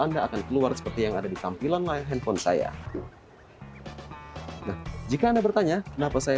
anda akan keluar seperti yang ada di tampilan layar handphone saya nah jika anda bertanya kenapa saya